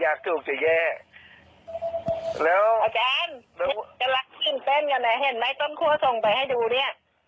อ้าวอาจารย์ซื้อของไอพัฒน์มาเพื่อนน่ะเอาไว้ให้อาจารย์